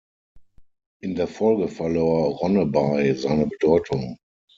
In der Folge verlor Ronneby seine Bedeutung.